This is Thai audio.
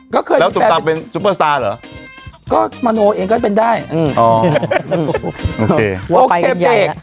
ก็เคยเป็นแล้วตุ๊กตาเป็นซุปเปอร์สตาร์เหรอก็มโนเองก็เป็นได้อืมอ๋อโอเคโอเค